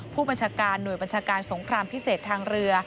ผู้บัญชาการหน่วยบัญชาการสงครามพิเศษทางเรือ